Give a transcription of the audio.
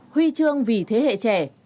huy trường vì thế hệ trẻ